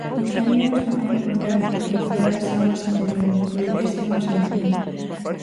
Gustaríanos tamén, por certo, recuperar as augas interiores, podería ser unha solución.